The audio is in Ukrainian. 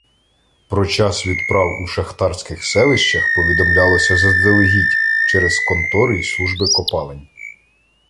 Про час відправ у шахтарських селищах повідомлялося заздалегідь через контори й служби копалень.